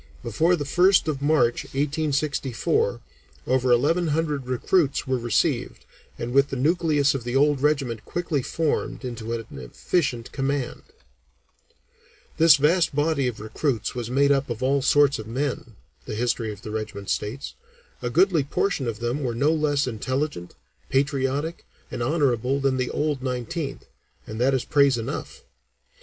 Before the 1st of March, 1864, over eleven hundred recruits were received, and with the nucleus of the old regiment quickly formed into an efficient command. [Illustration: In the Defences. Guard mount] "This vast body of recruits was made up of all sorts of men," the history of the regiment states. "A goodly portion of them were no less intelligent, patriotic, and honorable than the 'old' Nineteenth and that is praise enough.